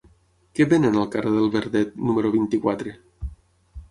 Què venen al carrer del Verdet número vint-i-quatre?